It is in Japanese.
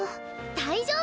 大丈夫！